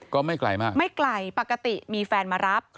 ก็ไม่ไกลมากไม่ไกลปกติมีแฟนมารับ